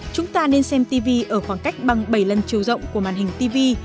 chúng ta nên xem tivi ở khoảng cách bằng bảy lần chiều rộng của màn hình tivi